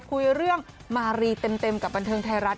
คุยเรื่องมารีเต็มกับบันเทิงไทยรัฐ